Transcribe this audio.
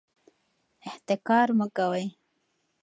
احتکار مه کوئ.